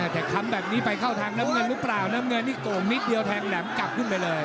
แต่คำแบบนี้ไปเข้าทางน้ำเงินหรือเปล่าน้ำเงินนี่โก่งนิดเดียวแทงแหลมกลับขึ้นไปเลย